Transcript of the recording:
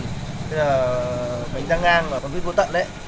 tức là cánh ra ngang và vít vô tận đấy